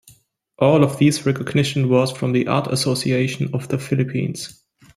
All of these recognition was from the Art Association of the Philippines.